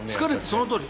そのとおり。